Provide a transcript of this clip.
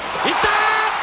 いった！